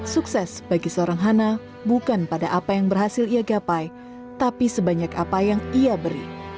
sukses bagi seorang hana bukan pada apa yang berhasil ia gapai tapi sebanyak apa yang ia beri